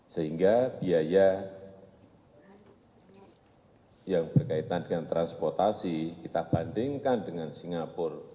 sehingga biaya yang berkaitan dengan transportasi kita bandingkan dengan singapura